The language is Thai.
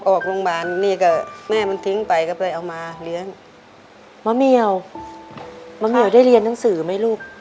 ออกโรงพยาบาลนี่ก็แม่มันทิ้งไปก็ไปเอามาเลี้ยงมะเหมียวมะเหมียวได้เรียนหนังสือไหมลูก